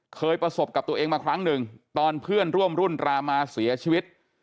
เคยประสบกับตัวเองมาครั้งหนึ่งตอนเพื่อนร่วมรุ่นรามาเสียชีวิต